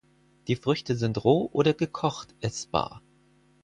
Die Früchte sind roh oder gekocht essbar.